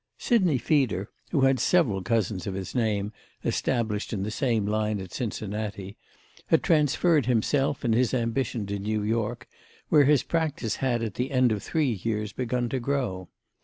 Sidney Feeder, who had several cousins of this name established in the same line at Cincinnati, had transferred himself and his ambition to New York, where his practice had at the end of three years begun to grow.